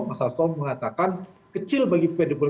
sekjennya pak hasto mas hasto mengatakan kecil bagi pd perjuangan